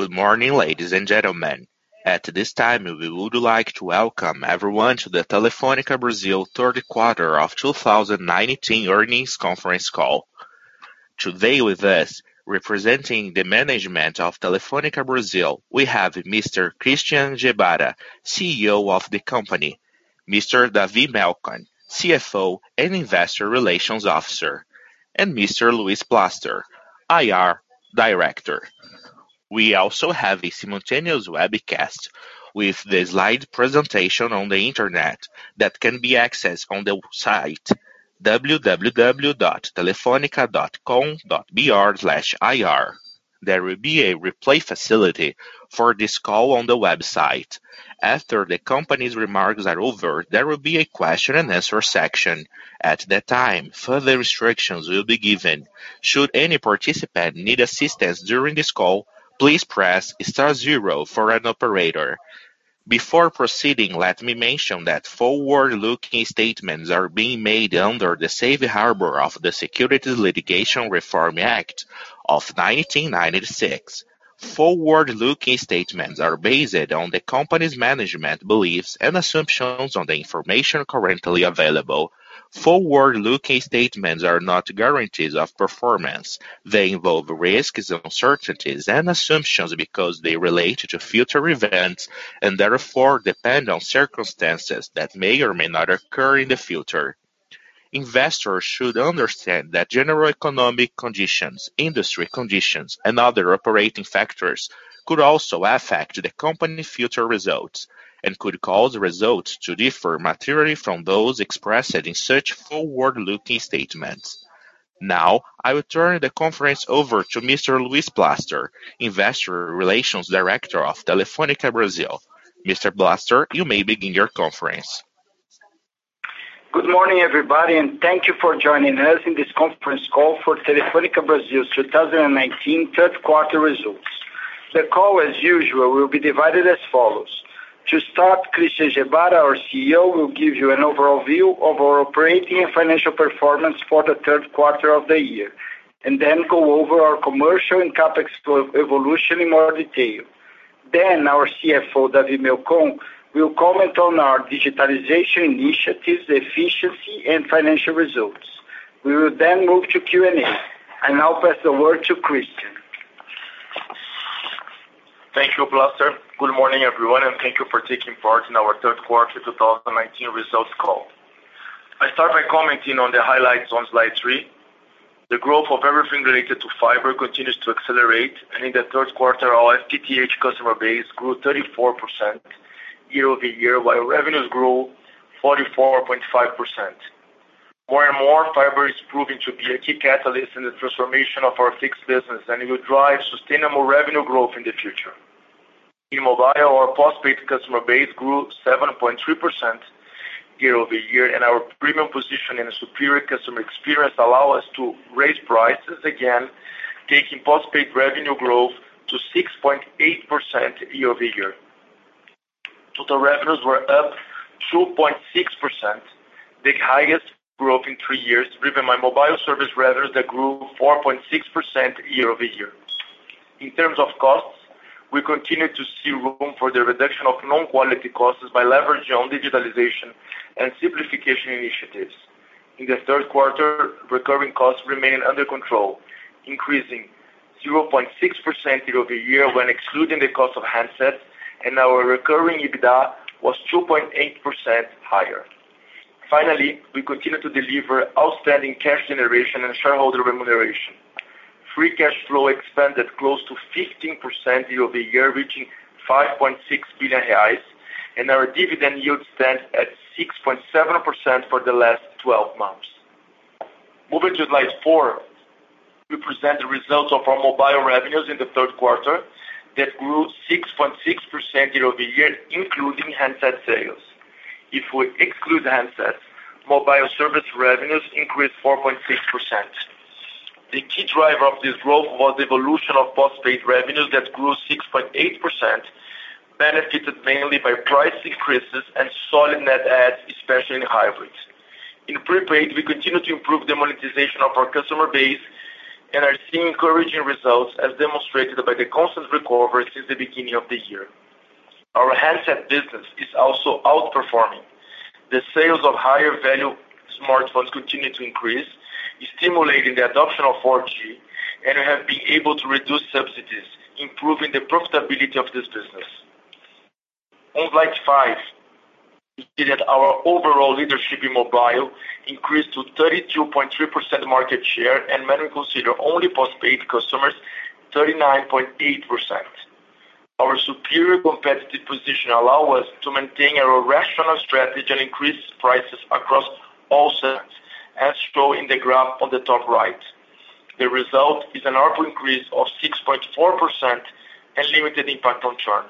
Good morning, ladies and gentlemen. At this time, we would like to welcome everyone to the Telefónica Brasil third quarter of 2019 earnings conference call. Today with us, representing the management of Telefónica Brasil, we have Mr. Christian Gebara, CEO of the company, Mr. David Melcon, CFO and Investor Relations Officer, and Mr. Luis Plaster, IR Director. We also have a simultaneous webcast with the slide presentation on the internet that can be accessed on the site www.telefonica.com.br/ir. There will be a replay facility for this call on the website. After the company's remarks are over, there will be a question and answer section. At that time, further restrictions will be given. Should any participant need assistance during this call, please press star zero for an operator. Before proceeding, let me mention that forward-looking statements are being made under the safe harbor of the Securities Litigation Reform Act of 1996. Forward-looking statements are based on the company's management beliefs and assumptions on the information currently available. Forward-looking statements are not guarantees of performance. They involve risks and uncertainties and assumptions because they relate to future events, and therefore depend on circumstances that may or may not occur in the future. Investors should understand that general economic conditions, industry conditions, and other operating factors could also affect the company future results and could cause results to differ materially from those expressed in such forward-looking statements. Now, I will turn the conference over to Mr. Luis Plaster, Investor Relations Director of Telefônica Brasil. Mr. Plaster, you may begin your conference. Good morning, everybody, thank you for joining us in this conference call for Telefônica Brasil's 2019 third quarter results. The call, as usual, will be divided as follows. To start, Christian Gebara, our CEO, will give you an overall view of our operating and financial performance for the third quarter of the year, then go over our commercial and CapEx evolution in more detail. Our CFO, David Melcon, will comment on our digitalization initiatives, efficiency, and financial results. We will move to Q&A. I now pass the word to Christian. Thank you, Plaster. Good morning, everyone, and thank you for taking part in our third quarter 2019 results call. I start by commenting on the highlights on slide three. The growth of everything related to fiber continues to accelerate, and in the third quarter, our FTTH customer base grew 34% year-over-year, while revenues grew 44.5%. More and more fiber is proving to be a key catalyst in the transformation of our fixed business, and it will drive sustainable revenue growth in the future. In mobile, our postpaid customer base grew 7.3% year-over-year, and our premium position and a superior customer experience allow us to raise prices again, taking postpaid revenue growth to 6.8% year-over-year. Total revenues were up 2.6%, the highest growth in three years, driven by mobile service revenues that grew 4.6% year-over-year. In terms of costs, we continue to see room for the reduction of non-quality costs by leveraging on digitalization and simplification initiatives. In the third quarter, recurring costs remained under control, increasing 0.6% year-over-year when excluding the cost of handsets, and our recurring EBITDA was 2.8% higher. Finally, we continue to deliver outstanding cash generation and shareholder remuneration. Free cash flow expanded close to 15% year-over-year, reaching 5.6 billion reais, and our dividend yield stands at 6.7% for the last 12 months. Moving to slide four, we present the results of our mobile revenues in the third quarter that grew 6.6% year-over-year, including handset sales. If we exclude handsets, mobile service revenues increased 4.6%. The key driver of this growth was evolution of postpaid revenues that grew 6.8%, benefited mainly by price increases and solid net adds, especially in hybrids. In prepaid, we continue to improve the monetization of our customer base and are seeing encouraging results as demonstrated by the constant recovery since the beginning of the year. Our handset business is also outperforming. The sales of higher value smartphones continue to increase, stimulating the adoption of 4G, and have been able to reduce subsidies, improving the profitability of this business. On slide five, you see that our overall leadership in mobile increased to 32.3% market share and when we consider only postpaid customers, 39.8%. Our superior competitive position allow us to maintain a rational strategy and increase prices across all sets as shown in the graph on the top right. The result is an ARPU increase of 6.4% and limited impact on churn.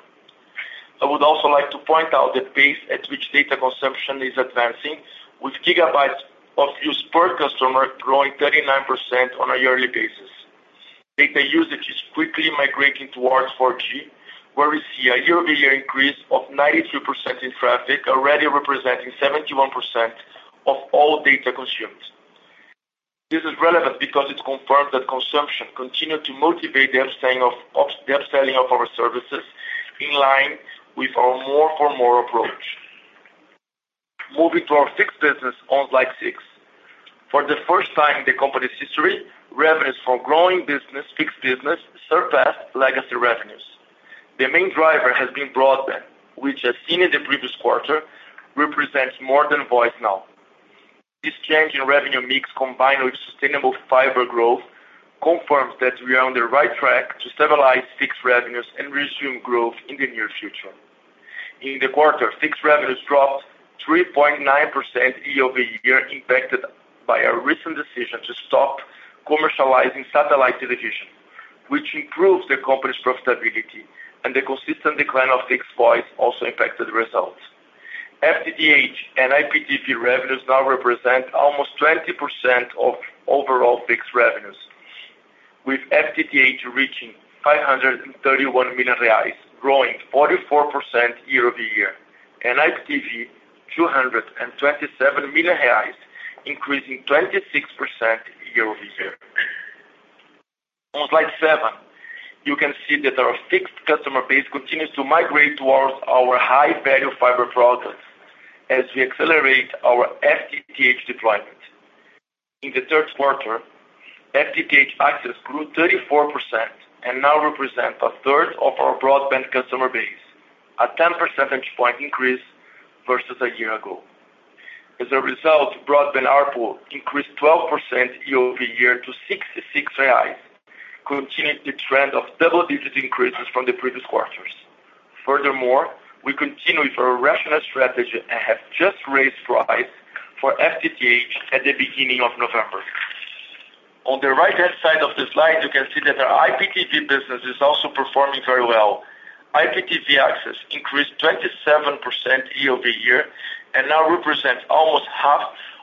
I would also like to point out the pace at which data consumption is advancing with gigabytes of use per customer growing 39% on a yearly basis. Data usage is quickly migrating towards 4G, where we see a year-over-year increase of 93% in traffic already representing 71% of all data consumed. This is relevant because it confirms that consumption continued to motivate the upselling of our services, in line with our more for more approach. Moving to our fixed business on slide six. For the first time in the company's history, revenues for growing business, fixed business, surpassed legacy revenues. The main driver has been broadband, which as seen in the previous quarter, represents more than voice now. This change in revenue mix, combined with sustainable fiber growth, confirms that we are on the right track to stabilize fixed revenues and resume growth in the near future. In the quarter, fixed revenues dropped 3.9% year-over-year impacted by a recent decision to stop commercializing satellite television, which improves the company's profitability and the consistent decline of fixed voice also impacted results. FTTH and IPTV revenues now represent almost 20% of overall fixed revenues, with FTTH reaching 531 million reais, growing 44% year-over-year, and IPTV 227 million reais, increasing 26% year-over-year. On slide seven, you can see that our fixed customer base continues to migrate towards our high-value fiber products as we accelerate our FTTH deployment. In the third quarter, FTTH access grew 34% and now represents a third of our broadband customer base, a 10 percentage point increase versus a year ago. As a result, broadband ARPU increased 12% year-over-year to 66 reais, continuing the trend of double-digit increases from the previous quarters. Furthermore, we continue with our rational strategy and have just raised price for FTTH at the beginning of November. On the right-hand side of the slide, you can see that our IPTV business is also performing very well. IPTV access increased 27% year-over-year, and now represents almost half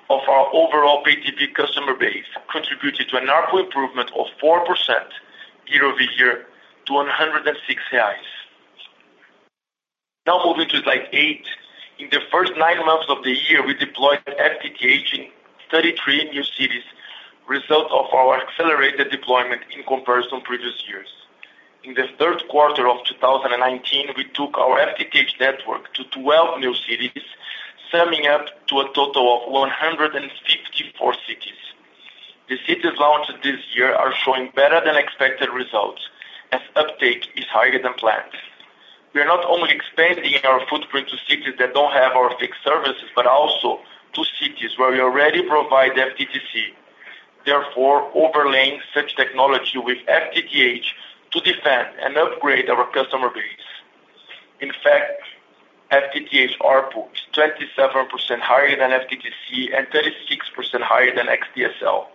of our overall Pay TV customer base, contributing to an ARPU improvement of 4% year-over-year to BRL 106. Now moving to slide eight. In the first nine months of the year, we deployed FTTH in 33 new cities, result of our accelerated deployment in comparison to previous years. In the third quarter of 2019, we took our FTTH network to 12 new cities, summing up to a total of 154 cities. The cities launched this year are showing better than expected results as uptake is higher than planned. We are not only expanding our footprint to cities that don't have our fixed services, but also to cities where we already provide FTTC, therefore overlaying such technology with FTTH to defend and upgrade our customer base. In fact, FTTH ARPU is 27% higher than FTTC and 36% higher than XDSL.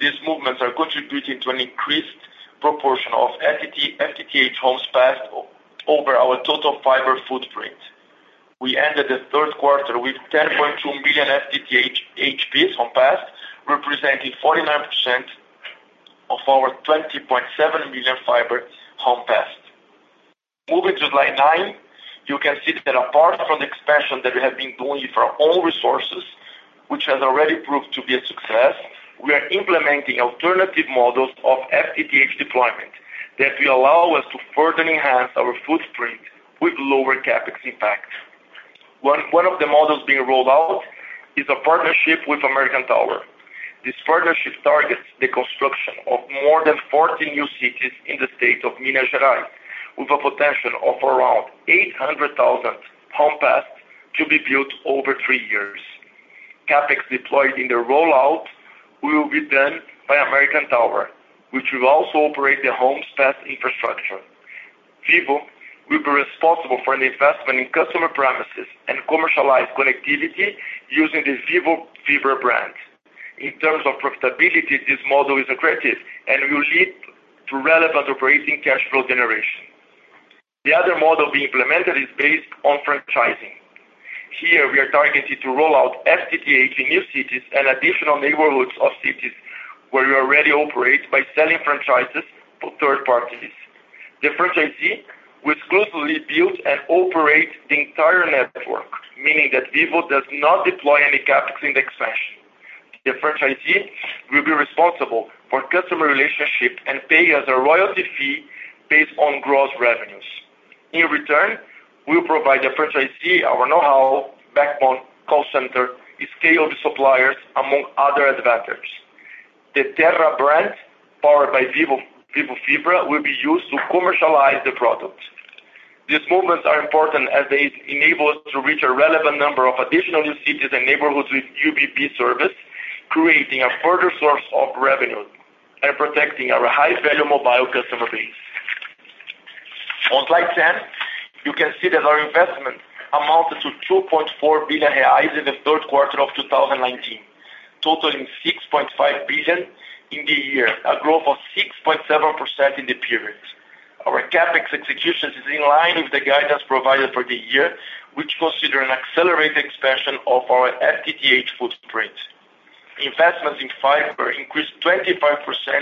These movements are contributing to an increased proportion of FTTH Homes Passed over our total fiber footprint. We ended the third quarter with 10.2 million FTTH HPs home passed, representing 49% of our 20.7 million fiber home passed. Moving to slide nine. You can see that apart from the expansion that we have been doing with our own resources, which has already proved to be a success, we are implementing alternative models of FTTH deployment that will allow us to further enhance our footprint with lower CapEx impact. One of the models being rolled out is a partnership with American Tower. This partnership targets the construction of more than 40 new cities in the state of Minas Gerais, with a potential of around 800,000 Homes Passed to be built over three years. CapEx deployed in the rollout will be done by American Tower, which will also operate the Homes Passed infrastructure. Vivo will be responsible for the investment in customer premises and commercialize connectivity using the Vivo Fibra brand. In terms of profitability, this model is accretive and will lead to relevant operating cash flow generation. The other model being implemented is based on franchising. Here, we are targeting to roll out FTTH in new cities and additional neighborhoods of cities where we already operate by selling franchises to third parties. The franchisee will exclusively build and operate the entire network, meaning that Vivo does not deploy any CapEx in the expansion. The franchisee will be responsible for customer relationship and pay us a royalty fee based on gross revenues. In return, we'll provide the franchisee our know-how, backbone, call center, scaled suppliers, among other advantages. The Terra brand, powered by Vivo Fibra, will be used to commercialize the product. These movements are important as they enable us to reach a relevant number of additional new cities and neighborhoods with UBB service, creating a further source of revenue and protecting our high-value mobile customer base. On slide 10, you can see that our investment amounted to 2.4 billion reais in the third quarter of 2019, totaling 6.5 billion in the year, a growth of 6.7% in the period. Our CapEx execution is in line with the guidance provided for the year, which consider an accelerated expansion of our FTTH footprint. Investments in fiber increased 25%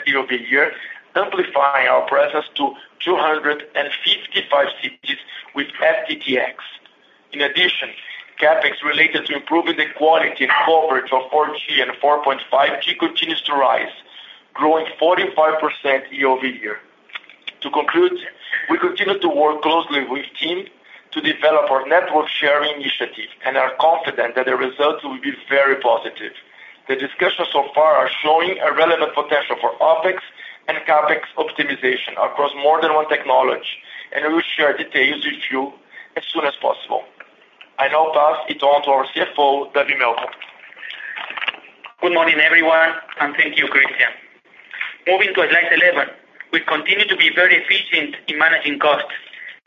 year-over-year, amplifying our presence to 255 cities with FTTx. In addition, CapEx related to improving the quality and coverage of 4G and 4.5G continues to rise, growing 45% year-over-year. To conclude, we continue to work closely with TIM to develop our network sharing initiative and are confident that the results will be very positive. The discussions so far are showing a relevant potential for OpEx and CapEx optimization across more than one technology. We will share details with you as soon as possible. I now pass it on to our CFO, David Melcon. Good morning, everyone, and thank you, Christian. Moving to slide 11. We continue to be very efficient in managing costs,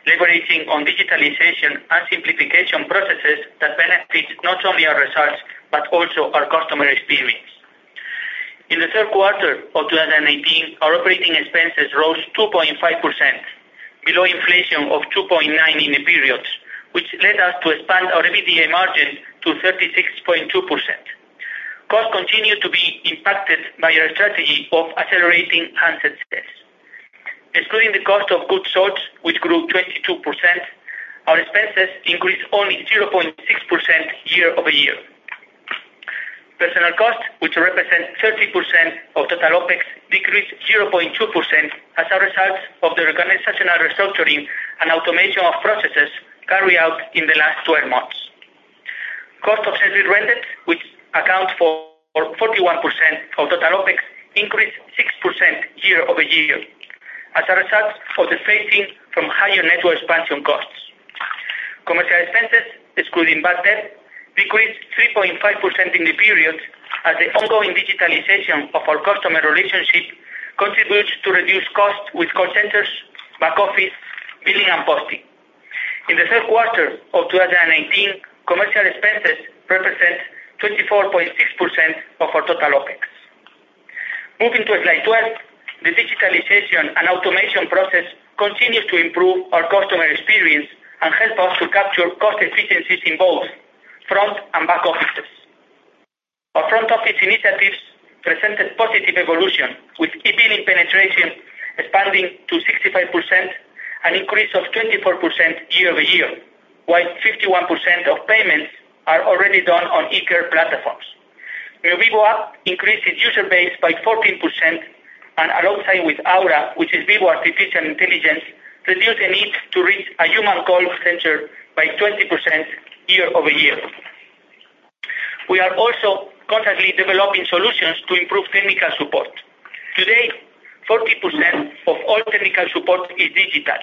leveraging on digitalization and simplification processes that benefit not only our results, but also our customer experience. In the third quarter of 2019, our operating expenses rose 2.5%, below inflation of 2.9% in the periods, which led us to expand our EBITDA margin to 36.2%. Costs continue to be impacted by our strategy of accelerating assets. Excluding the cost of goods sold, which grew 22%, our expenses increased only 0.6% year-over-year. Personnel costs, which represent 30% of total OpEx, decreased 0.2% as a result of the organizational restructuring and automation of processes carried out in the last 12 months. Cost of services rendered, which account for 41% of total OpEx, increased 6% year-over-year as a result of the phasing from higher network expansion costs. Commercial expenses, excluding bad debt, decreased 3.5% in the period as the ongoing digitalization of our customer relationship contributes to reduced costs with call centers, back office, billing, and posting. In the third quarter of 2019, commercial expenses represent 24.6% of our total OpEx. Moving to slide 12. The digitalization and automation process continue to improve our customer experience and help us to capture cost efficiencies in both front and back offices. Our front office initiatives presented positive evolution, with e-billing penetration expanding to 65%, an increase of 24% year-over-year, while 51% of payments are already done on eCare platforms. The App Vivo increased its user base by 14%, and alongside with Aura, which is Vivo artificial intelligence, reduced the need to reach a human call center by 20% year-over-year. We are also constantly developing solutions to improve technical support. Today, 40% of all technical support is digital.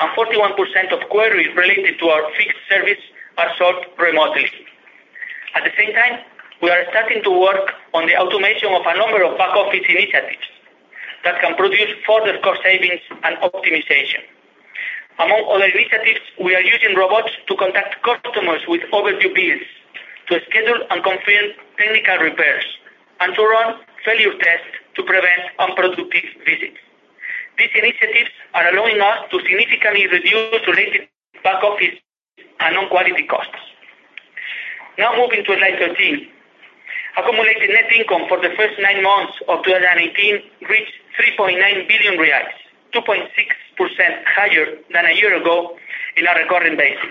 41% of queries related to our fixed service are solved remotely. At the same time, we are starting to work on the automation of a number of back-office initiatives that can produce further cost savings and optimization. Among other initiatives, we are using robots to contact customers with overdue bills to schedule and confirm technical repairs and to run failure tests to prevent unproductive visits. These initiatives are allowing us to significantly reduce related back-office and non-quality costs. Moving to slide 13. Accumulated net income for the first nine months of 2019 reached 3.9 billion reais, 2.6% higher than a year ago in our recurring basis.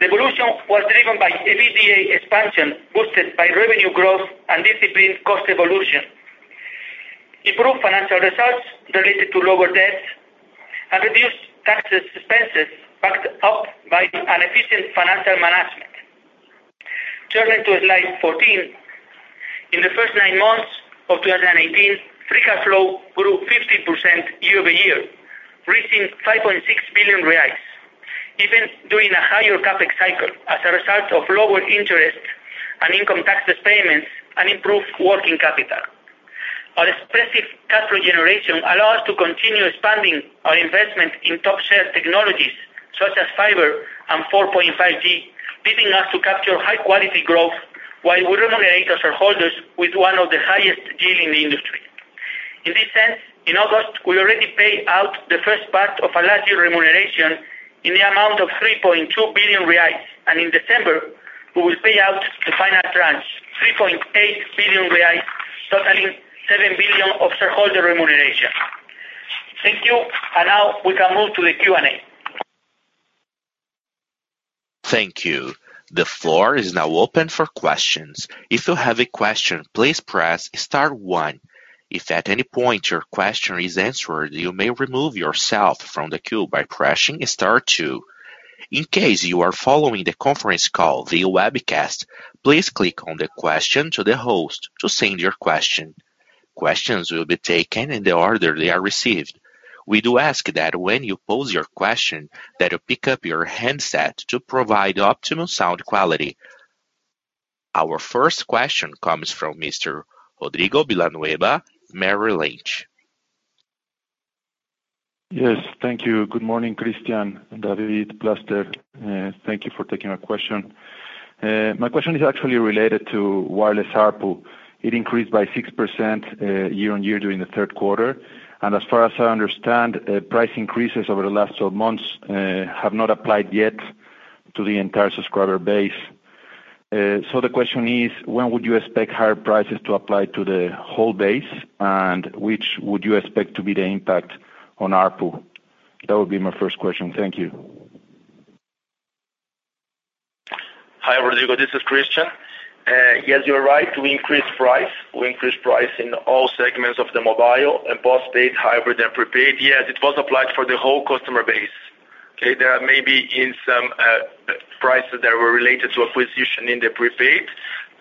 The evolution was driven by EBITDA expansion, boosted by revenue growth and disciplined cost evolution. Improved financial results related to lower debts have reduced tax expenses backed up by an efficient financial management. Turning to slide 14. In the first nine months of 2018, free cash flow grew 15% year-over-year, reaching 5.6 billion reais, even during a higher CapEx cycle as a result of lower interest and income taxes payments and improved working capital. Our extensive cash flow generation allows us to continue expanding our investment in top-share technologies such as fiber and 4.5G, leading us to capture high-quality growth while we remunerate our shareholders with one of the highest yield in the industry. In this sense, in August, we already paid out the first part of our last year remuneration in the amount of 3.2 billion reais, and in December, we will pay out the final tranche, 3.8 billion reais, totaling 7 billion of shareholder remuneration. Thank you. Now we can move to the Q&A. Thank you. The floor is now open for questions. If you have a question, please press star one. If at any point your question is answered, you may remove yourself from the queue by pressing star two. In case you are following the conference call via webcast, please click on the question to the host to send your question. Questions will be taken in the order they are received. We do ask that when you pose your question that you pick up your handset to provide optimum sound quality. Our first question comes from Mr. Rodrigo Villanueva, Merrill Lynch. Yes, thank you. Good morning, Christian, David, pleasure. Thank you for taking my question. My question is actually related to wireless ARPU. It increased by 6% year-over-year during the third quarter, and as far as I understand, price increases over the last 12 months have not applied yet to the entire subscriber base. The question is, when would you expect higher prices to apply to the whole base, and which would you expect to be the impact on ARPU? That would be my first question. Thank you. Hi, Rodrigo. This is Christian. You're right. We increased price. We increased price in all segments of the mobile and postpaid, hybrid, and prepaid. It was applied for the whole customer base. Okay. There are maybe in some prices that were related to acquisition in the prepaid,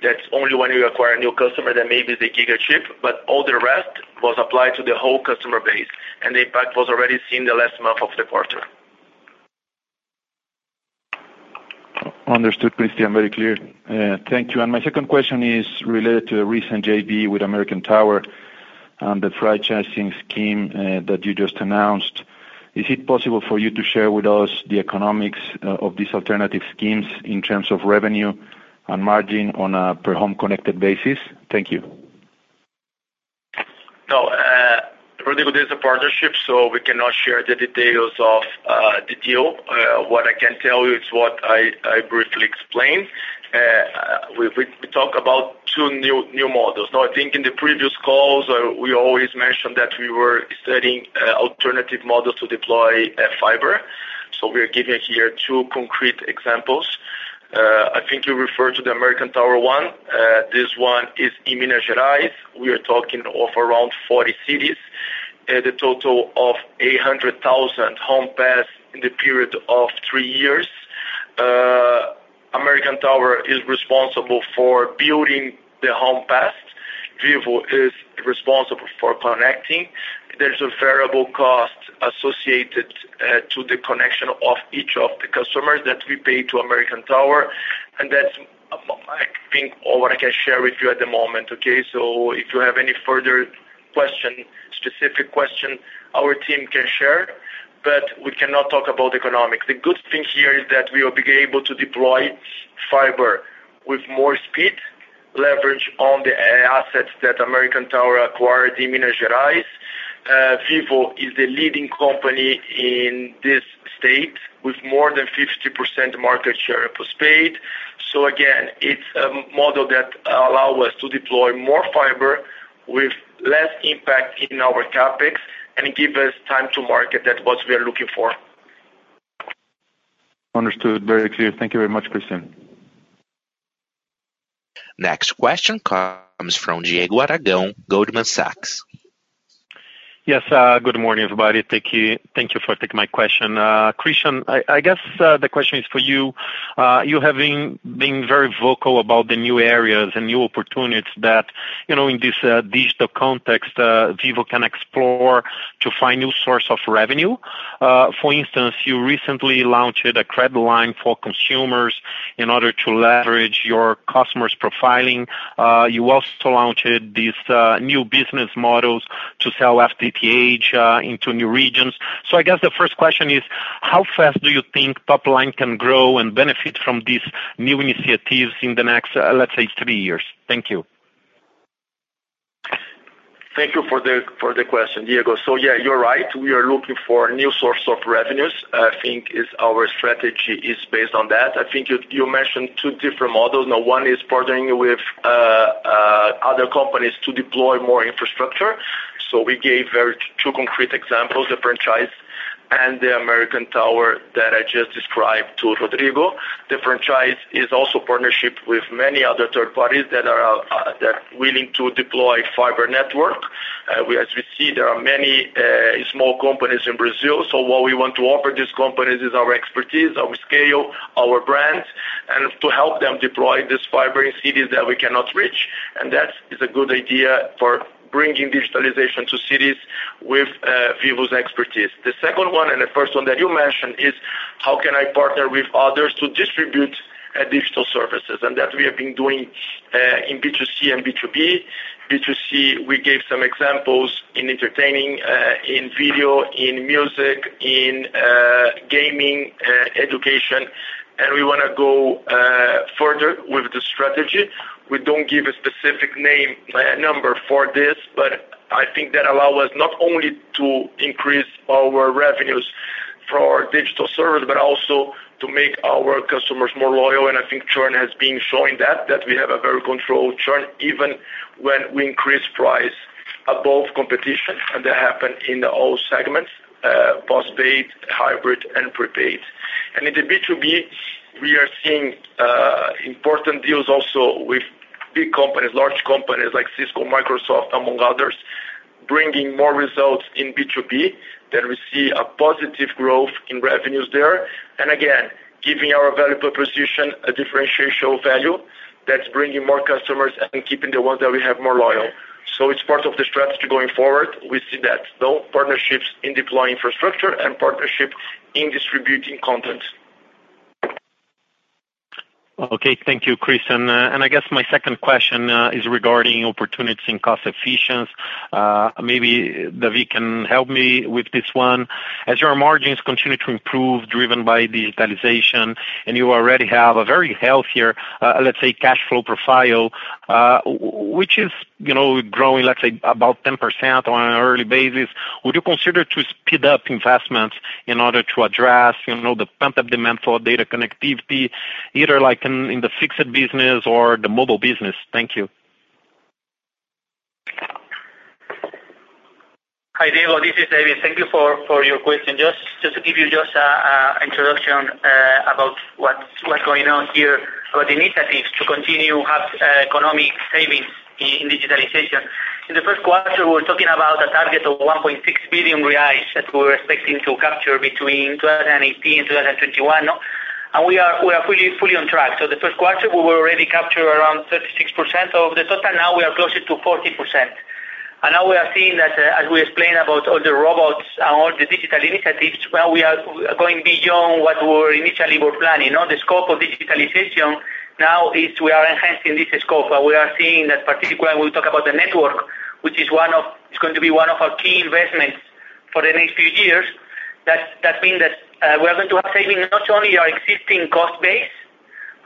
that's only when you acquire a new customer, then maybe they get a chip, but all the rest was applied to the whole customer base, and the impact was already seen the last month of the quarter. Understood, Christian. Very clear. Thank you. My second question is related to a recent JV with American Tower and the franchising scheme that you just announced. Is it possible for you to share with us the economics of these alternative schemes in terms of revenue and margin on a per home connected basis? Thank you. Rodrigo, this is a partnership, we cannot share the details of the deal. What I can tell you is what I briefly explained. We talk about two new models. I think in the previous calls, we always mentioned that we were studying alternative models to deploy fiber. We are giving here two concrete examples. I think you refer to the American Tower one. This one is in Minas Gerais. We are talking of around 40 cities at a total of 800,000 Homes Passed in the period of three years. American Tower is responsible for building the Homes Passed. Vivo is responsible for connecting. There's a variable cost associated to the connection of each of the customers that we pay to American Tower, that's I think all I can share with you at the moment, okay? If you have any further specific question, our team can share, but we cannot talk about economics. The good thing here is that we will be able to deploy fiber with more speed, leverage on the assets that American Tower acquired in Minas Gerais. Vivo is the leading company in this state with more than 50% market share in postpaid. Again, it's a model that allow us to deploy more fiber with less impact in our CapEx and give us time to market. That's what we are looking for. Understood. Very clear. Thank you very much, Christian. Next question comes from Diego Aragão, Goldman Sachs. Yes, good morning, everybody. Thank you for taking my question. Christian, I guess, the question is for you. You have been very vocal about the new areas and new opportunities that in this digital context, Vivo can explore to find new source of revenue. For instance, you recently launched a credit line for consumers in order to leverage your customers' profiling. You also launched these new business models to sell FTTH into new regions. I guess the first question is: How fast do you think top line can grow and benefit from these new initiatives in the next, let's say, three years? Thank you. Thank you for the question, Diego. Yeah, you're right. We are looking for new source of revenues. I think our strategy is based on that. I think you mentioned two different models. One is partnering with other companies to deploy more infrastructure. We gave two concrete examples, the franchise and the American Tower that I just described to Rodrigo. The franchise is also partnership with many other third parties that are willing to deploy fiber network. As we see, there are many small companies in Brazil. What we want to offer these companies is our expertise, our scale, our brands, and to help them deploy this fiber in cities that we cannot reach. That is a good idea for bringing digitalization to cities with Vivo's expertise. The second one and the first one that you mentioned is how can I partner with others to distribute digital services? That we have been doing in B2C and B2B. B2C, we gave some examples in entertaining, in video, in music, in gaming, education, and we want to go further with the strategy. We don't give a specific name, number for this, but I think that allow us not only to increase our revenues for our digital service, but also to make our customers more loyal, and I think churn has been showing that we have a very controlled churn, even when we increase price above competition, and that happen in all segments, postpaid, hybrid, and prepaid. In the B2B, we are seeing important deals also with big companies, large companies like Cisco, Microsoft, among others, bringing more results in B2B that we see a positive growth in revenues there. Again, giving our value proposition a differential value that's bringing more customers and keeping the ones that we have more loyal. It's part of the strategy going forward. We see that. Partnerships in deploying infrastructure and partnership in distributing content. Okay. Thank you, Christian. I guess my second question is regarding opportunities in cost efficiency. Maybe David can help me with this one. As your margins continue to improve, driven by digitalization, and you already have a very healthier, let's say, cash flow profile, which is growing, let's say, about 10% on an early basis, would you consider to speed up investments in order to address the pent-up demand for data connectivity, either in the fixed business or the mobile business? Thank you. Hi, Diego, this is David. Thank you for your question. Just to give you an introduction about what's going on here, about initiatives to continue to have economic savings in digitalization. In the first quarter, we were talking about a target of 1.6 billion reais that we were expecting to capture between 2018 and 2021. We are fully on track. The first quarter, we already captured around 36% of the total. Now we are closer to 40%. Now we are seeing that as we explain about all the robots and all the digital initiatives, now we are going beyond what we initially were planning on. The scope of digitalization now is we are enhancing this scope, and we are seeing that particularly when we talk about the network, which is going to be one of our key investments for the next few years, that means that we are going to have savings, not only our existing cost base,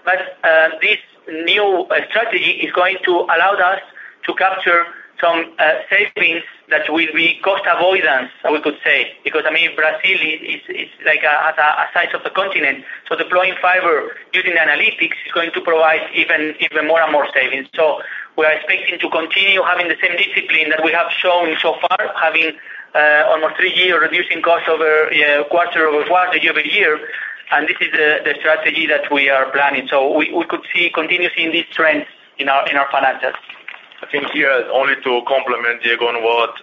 but this new strategy is going to allow us to capture some savings that will be cost avoidance, we could say. Because Brazil is like a size of a continent. Deploying fiber using analytics is going to provide even more and more savings. We are expecting to continue having the same discipline that we have shown so far, having almost 3 years reducing costs quarter-over-quarter, year-over-year. This is the strategy that we are planning. We could continue seeing this trend in our finances. I think here, only to complement, Diego, on what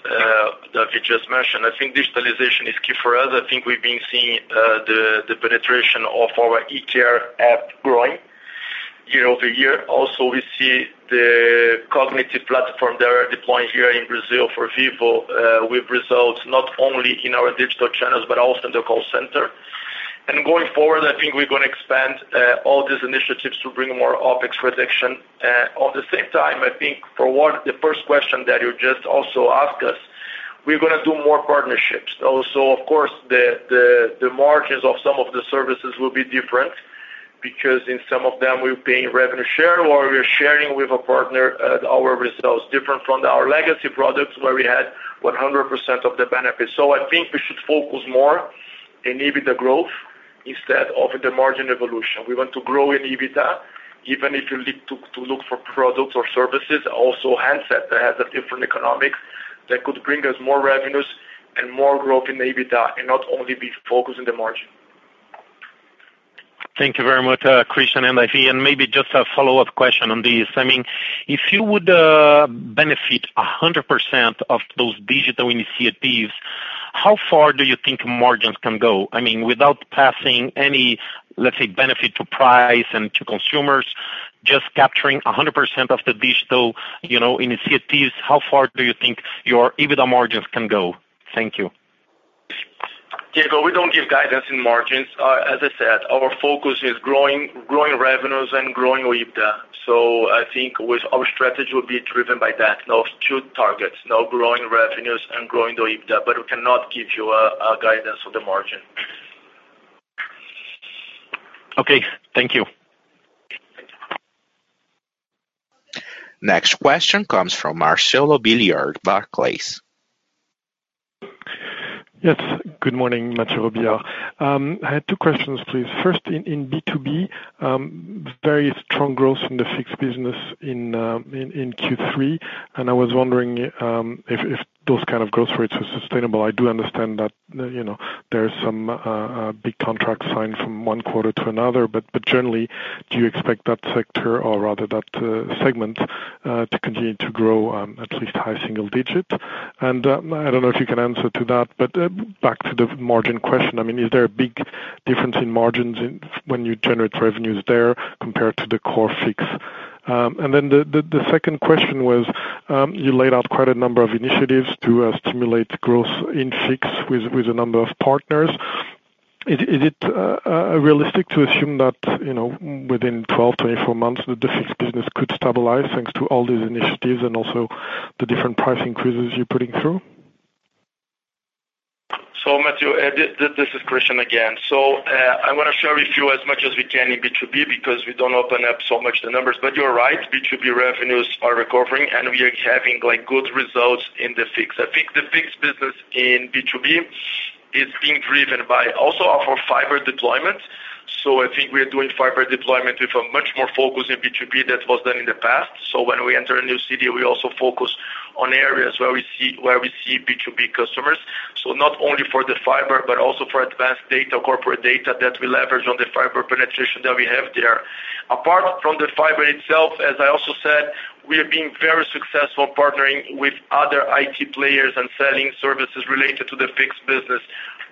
David just mentioned, I think digitalization is key for us. I think we've been seeing the penetration of our eCare app growing year-over-year. We see the cognitive platform that we are deploying here in Brazil for Vivo, with results not only in our digital channels, but also in the call center. Going forward, I think we're going to expand all these initiatives to bring more OpEx reduction. At the same time, I think for the first question that you just also asked us, we're going to do more partnerships. Of course, the margins of some of the services will be different, because in some of them we're paying revenue share or we're sharing with a partner our results different from our legacy products where we had 100% of the benefits. I think we should focus more in EBITDA growth instead of the margin evolution. We want to grow in EBITDA, even if you need to look for products or services, also handsets that have a different economics that could bring us more revenues and more growth in EBITDA, and not only be focused on the margin. Thank you very much, Christian and David. Maybe just a follow-up question on this. If you would benefit 100% of those digital initiatives, how far do you think margins can go? Without passing any, let's say, benefit to price and to consumers, just capturing 100% of the digital initiatives, how far do you think your EBITDA margins can go? Thank you. Diego, we don't give guidance in margins. As I said, our focus is growing revenues and growing EBITDA. I think our strategy will be driven by those two targets. Growing revenues and growing the EBITDA, we cannot give you a guidance on the margin. Okay. Thank you. Next question comes from Mathieu Robilliard, Barclays. Yes. Good morning, Mathieu Robilliard. I had two questions, please. First, in B2B, very strong growth in the Fixed Business in Q3, and I was wondering if those kind of growth rates are sustainable. I do understand that there are some big contracts signed from one quarter to another, but generally, do you expect that sector or rather that segment to continue to grow at least high single digits? I don't know if you can answer to that, but back to the margin question, is there a big difference in margins when you generate revenues there compared to the core Fixed? The second question was, you laid out quite a number of initiatives to stimulate growth in Fixed with a number of partners. Is it realistic to assume that within 12, 24 months, the fixed business could stabilize, thanks to all these initiatives and also the different price increases you're putting through? Mathieu, this is Christian again. I want to share with you as much as we can in B2B because we don't open up so much the numbers. You're right, B2B revenues are recovering, and we are having good results in the fixed. I think the fixed business in B2B is being driven by also our fiber deployment. I think we are doing fiber deployment with a much more focus in B2B than was done in the past. When we enter a new city, we also focus on areas where we see B2B customers. Not only for the fiber but also for advanced data, corporate data that we leverage on the fiber penetration that we have there. Apart from the fiber itself, as I also said, we have been very successful partnering with other IT players and selling services related to the Fixed Business,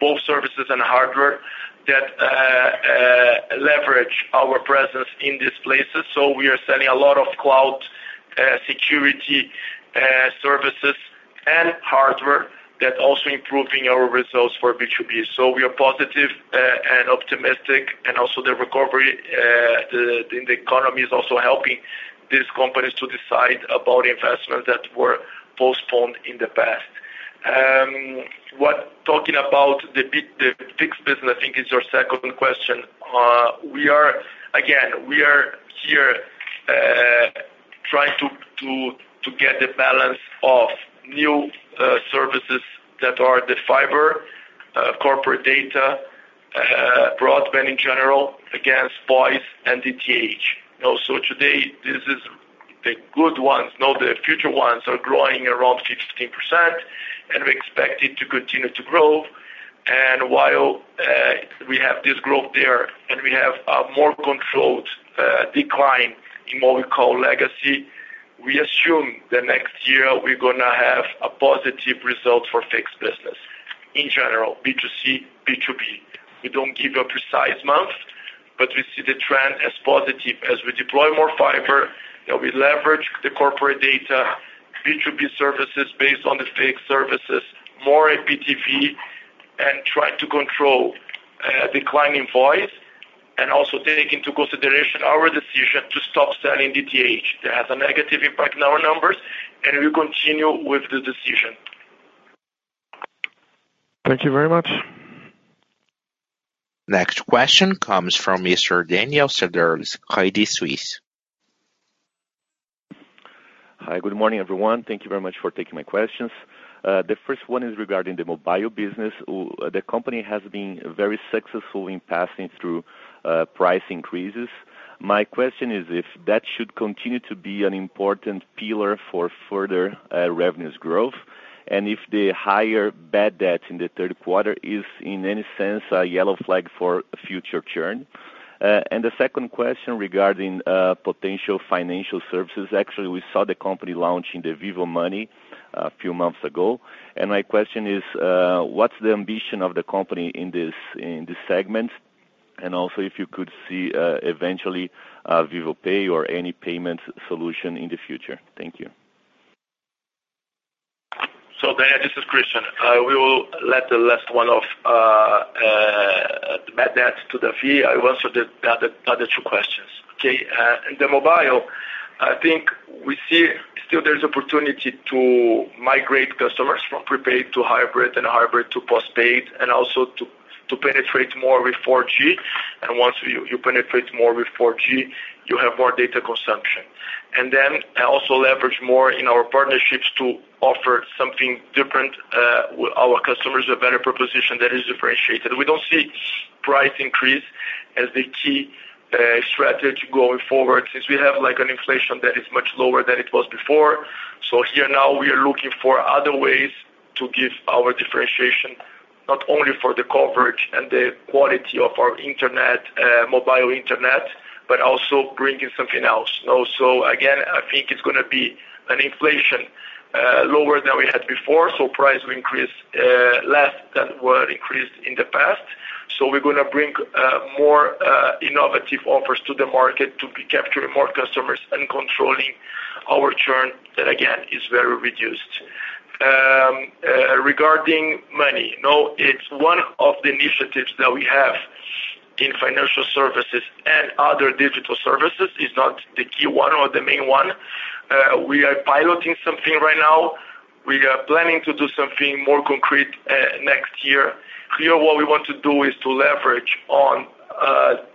both services and hardware that leverage our presence in these places. We are selling a lot of cloud security services and hardware that also improving our results for B2B. We are positive and optimistic, the recovery in the economy is also helping these companies to decide about investments that were postponed in the past. Talking about the Fixed Business, I think is your second question. Again, we are here trying to get the balance of new services that are the fiber, corporate data broadband in general against voice and DTH. Today, this is the good ones. Now the future ones are growing around 15%, and we expect it to continue to grow. While we have this growth there and we have a more controlled decline in what we call legacy, we assume that next year we're going to have a positive result for fixed business, in general, B2C, B2B. We don't give a precise month, but we see the trend as positive as we deploy more fiber, we leverage the corporate data, B2B services based on the fixed services, more IPTV, and try to control declining voice, and also take into consideration our decision to stop selling DTH. That has a negative impact on our numbers, and we'll continue with the decision. Thank you very much. Next question comes from Mr. Daniel Federle, Credit Suisse. Hi. Good morning, everyone. Thank you very much for taking my questions. The first one is regarding the mobile business. The company has been very successful in passing through price increases. My question is if that should continue to be an important pillar for further revenues growth, and if the higher bad debt in the third quarter is, in any sense, a yellow flag for future churn. The second question regarding potential financial services. Actually, we saw the company launching the Vivo Money a few months ago. My question is, what's the ambition of the company in this segment? Also, if you could see eventually Vivo Pay or any payment solution in the future. Thank you. Daniel, this is Christian. We will let the last one off bad debt to David. I will answer the other two questions. Okay. In the mobile, I think we see still there's opportunity to migrate customers from prepaid to hybrid and hybrid to postpaid, and also to penetrate more with 4G. Once you penetrate more with 4G, you have more data consumption. Also leverage more in our partnerships to offer something different. Our customers a better proposition that is differentiated. We don't see price increase as the key strategy going forward, since we have an inflation that is much lower than it was before. Here now we are looking for other ways to give our differentiation, not only for the coverage and the quality of our mobile internet, but also bringing something else. I think it's going to be an inflation lower than we had before. Price will increase less than were increased in the past. We're going to bring more innovative offers to the market to be capturing more customers and controlling our churn. That, again, is very reduced. Regarding money, it's one of the initiatives that we have in financial services and other digital services. It's not the key one or the main one. We are piloting something right now. We are planning to do something more concrete next year. Here, what we want to do is to leverage on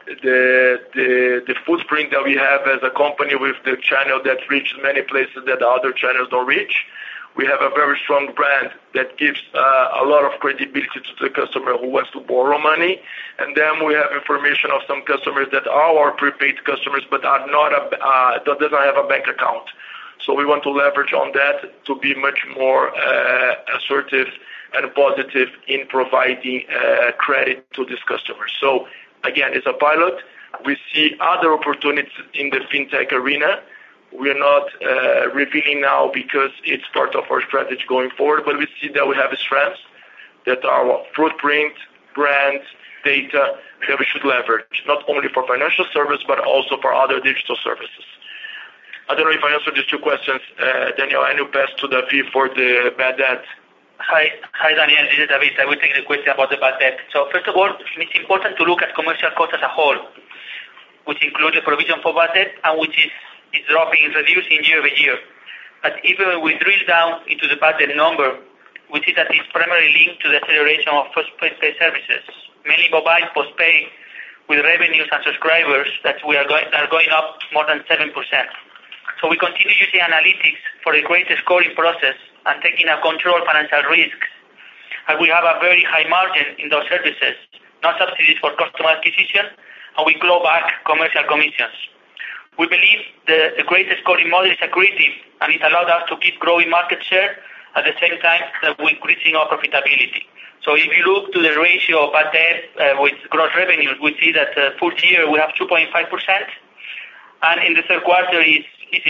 the footprint that we have as a company with the channel that reaches many places that other channels don't reach. We have a very strong brand that gives a lot of credibility to the customer who wants to borrow money. We have information of some customers that are our prepaid customers but does not have a bank account. We want to leverage on that to be much more assertive and positive in providing credit to this customer. Again, it's a pilot. We see other opportunities in the fintech arena. We're not revealing now because it's part of our strategy going forward, but we see that we have strengths that our footprint, brands, data that we should leverage, not only for financial service but also for other digital services. I don't know if I answered these two questions, Daniel. I'll pass to Davi for the bad debt. Hi, Daniel. This is Davi. I will take the question about the bad debt. First of all, it's important to look at commercial costs as a whole, which includes a provision for bad debt, and which is dropping, it's reducing year-over-year. If we drill down into the bad debt number, we see that it's primarily linked to the acceleration of postpaid services, mainly mobile postpaid, with revenues and subscribers that are going up more than 7%. We continue using analytics for a greater scoring process and taking and control financial risk. We have a very high margin in those services, no subsidies for customer acquisition, and we claw back commercial commissions. We believe the greater scoring model is accretive, and it allowed us to keep growing market share at the same time that we're increasing our profitability. If you look to the ratio of bad debt with gross revenue, we see that full year we have 2.5%, and in the third quarter, it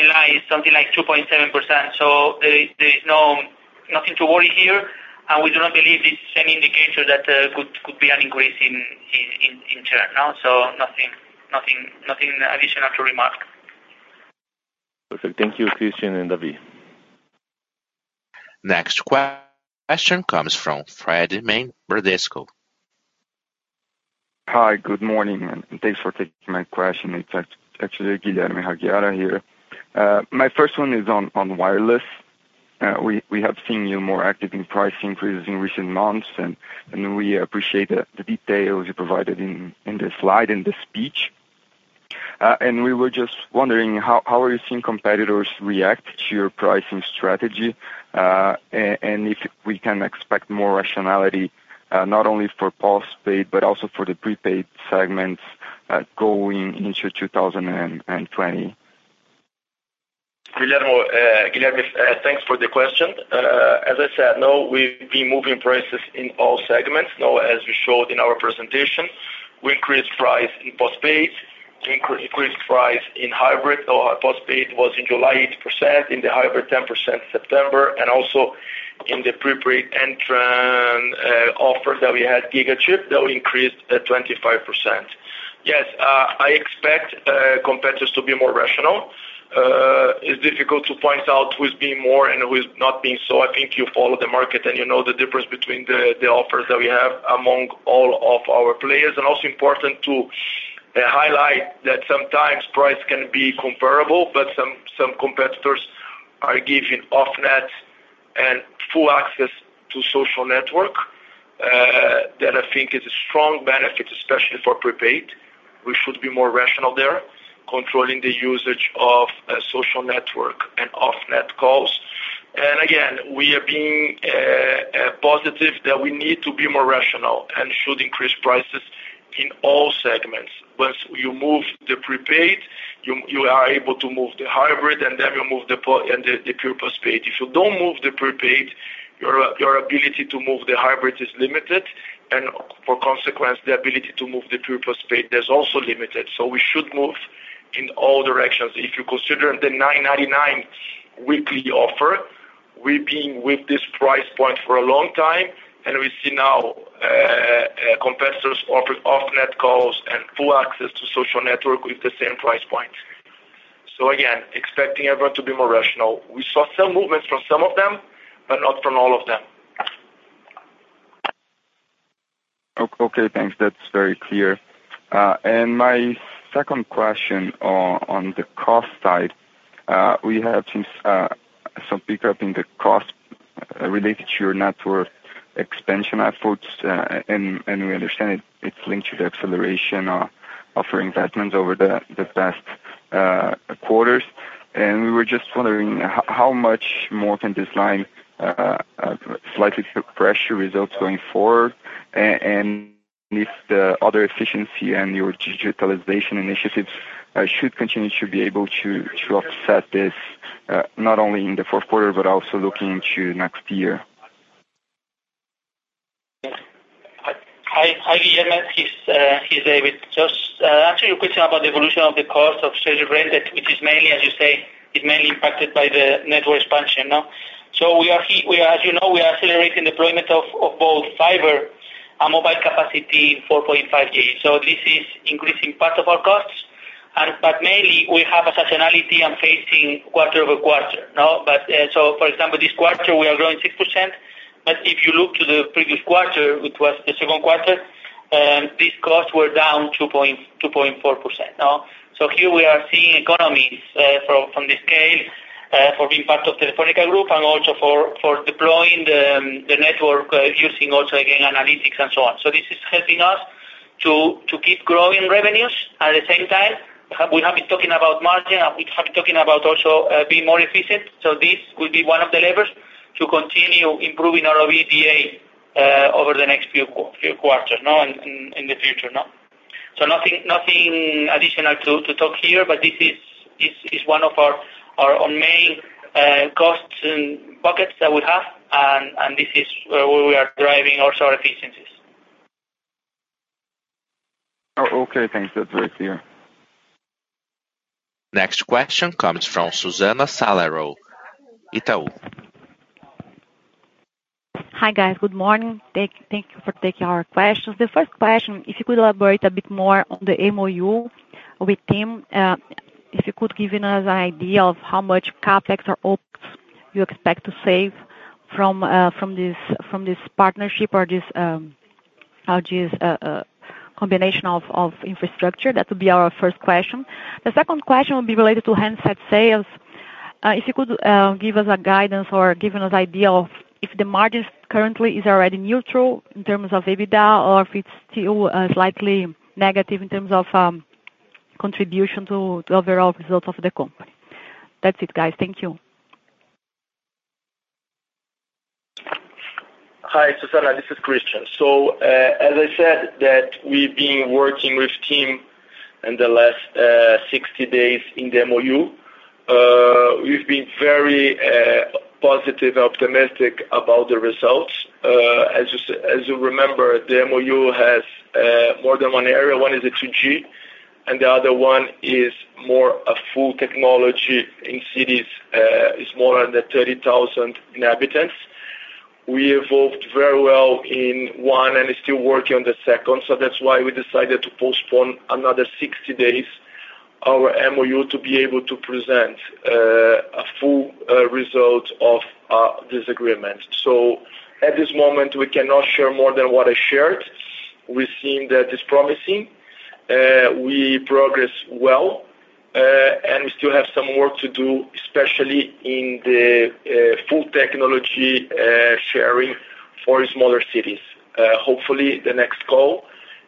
lies something like 2.7%. There is nothing to worry here, and we do not believe it's any indicator that could be an increase in churn. Nothing additional to remark. Perfect. Thank you, Christian and Davi. Next question comes from Fred Mendes, Bradesco. Hi. Good morning. Thanks for taking my question. It's actually Guilherme Ragghianti here. My first one is on wireless. We have seen you more active in price increases in recent months, and we appreciate the details you provided in the slide, in the speech. We were just wondering, how are you seeing competitors react to your pricing strategy? If we can expect more rationality, not only for postpaid, but also for the prepaid segments going into 2020. Guilherme, thanks for the question. As I said, now we've been moving prices in all segments. Now, as we showed in our presentation, we increased price in postpaid. We increased price in hybrid. Our postpaid was in July, 80%, in the hybrid 10% September, and also in the prepaid entrant offer that we had, GigaChip, that we increased at 25%. Yes, I expect competitors to be more rational. It's difficult to point out who is being more and who is not being, so I think you follow the market, and you know the difference between the offers that we have among all of our players. Also important to highlight that sometimes price can be comparable, but some competitors are giving off net and full access to social network. That I think is a strong benefit, especially for prepaid. We should be more rational there, controlling the usage of social network and off-net calls. Again, we are being positive that we need to be more rational and should increase prices in all segments. Once you move the prepaid, you are able to move the hybrid, and then you move the pure postpaid. If you don't move the prepaid, your ability to move the hybrid is limited, and for consequence, the ability to move the pure postpaid is also limited. We should move in all directions. If you consider the 9.99 weekly offer, we've been with this price point for a long time, and we see now competitors offering off-net calls and full access to social network with the same price point. Again, expecting everyone to be more rational. We saw some movements from some of them, but not from all of them. Okay, thanks. That's very clear. My second question on the cost side. We have seen some pickup in the cost related to your network expansion efforts, and we understand it's linked to the acceleration of investments over the past quarters. We were just wondering how much more can this line slightly suppress your results going forward? If the other efficiency and your digitalization initiatives should continue to be able to offset this, not only in the fourth quarter, but also looking into next year. Hi, Guilherme. It's David. Just actually a question about the evolution of the cost of service revenue, which is mainly, as you say, is mainly impacted by the network expansion. As you know, we are accelerating deployment of both fiber and mobile capacity in 4.5G. This is increasing part of our costs. Mainly, we have a seasonality and facing quarter-over-quarter. For example, this quarter, we are growing 6%, if you look to the previous quarter, which was the second quarter, these costs were down 2.4%. Here we are seeing economies from the scale for being part of Telefónica group and also for deploying the network using also, again, analytics and so on. This is helping us to keep growing revenues. At the same time, we have been talking about margin, and we have been talking about also being more efficient. This will be one of the levers to continue improving our OIBDA over the next few quarters in the future. Nothing additional to talk here, but this is one of our main cost buckets that we have, and this is where we are driving also our efficiencies. Okay, thanks. That's very clear. Next question comes from Susana Salaru, Itaú. Hi, guys. Good morning. Thank you for taking our questions. The first question, if you could elaborate a bit more on the MOU with TIM. If you could give us an idea of how much CapEx or OpEx you expect to save from this partnership or this combination of infrastructure. That would be our first question. The second question would be related to handset sales. If you could give us a guidance or give us idea of if the margin currently is already neutral in terms of EBITDA or if it's still slightly negative in terms of contribution to overall results of the company. That's it, guys. Thank you. Hi, Susana. This is Christian. As I said that we've been working with TIM in the last 60 days in the MOU. We've been very positive and optimistic about the results. As you remember, the MOU has more than one area. One is the 2G, and the other one is more a full technology in cities, is more than 30,000 inhabitants. We evolved very well in one and are still working on the second. That's why we decided to postpone another 60 days our MOU to be able to present a full result of this agreement. At this moment, we cannot share more than what I shared. We've seen that it's promising. We progress well. We still have some work to do, especially in the full technology sharing for smaller cities. Hopefully, the next call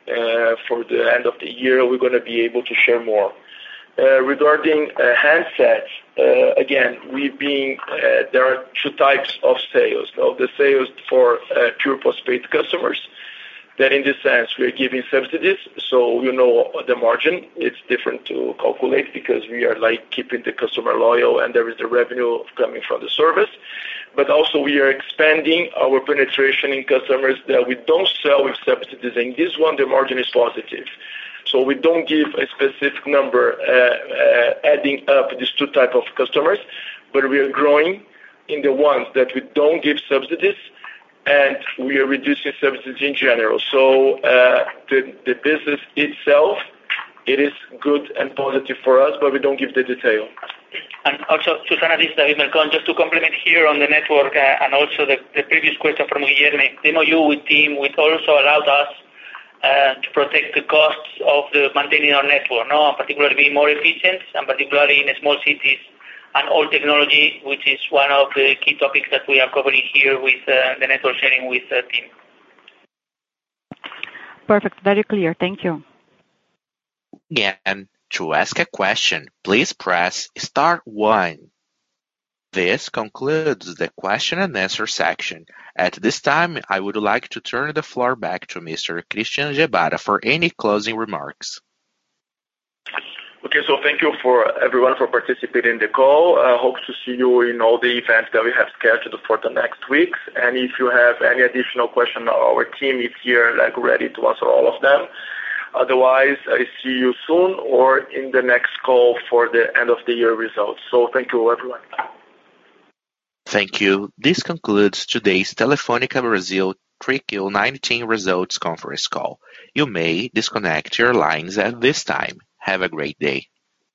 for the end of the year, we're going to be able to share more. Regarding handsets, again, there are two types of sales. The sales for pure postpaid customers, that in this sense, we are giving subsidies. You know the margin, it's different to calculate because we are keeping the customer loyal, and there is the revenue coming from the service. Also we are expanding our penetration in customers that we don't sell with subsidies. In this one, the margin is positive. We don't give a specific number, adding up these 2 type of customers, but we are growing in the ones that we don't give subsidies, and we are reducing subsidies in general. The business itself, it is good and positive for us, but we don't give the detail. Also, Susana, this is David Melcon, just to complement here on the network, and also the previous question from Guilherme. The MOU with TIM, which also allowed us to protect the costs of maintaining our network. Particularly being more efficient, and particularly in small cities and old technology, which is one of the key topics that we are covering here with the network sharing with TIM. Perfect. Very clear. Thank you. Again, to ask a question, please press star one. This concludes the question and answer section. At this time, I would like to turn the floor back to Mr. Christian Gebara for any closing remarks. Okay. Thank you, everyone, for participating in the call. I hope to see you in all the events that we have scheduled for the next weeks. If you have any additional question, our team is here, ready to answer all of them. Otherwise, I see you soon or in the next call for the end of the year results. Thank you, everyone. Thank you. This concludes today's Telefônica Brasil 3Q19 Results Conference Call. You may disconnect your lines at this time. Have a great day.